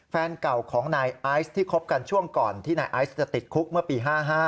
แฟนเก่าของนายไอซ์ที่คบกันช่วงก่อนที่นายไอซ์จะติดคุกเมื่อปี๕๕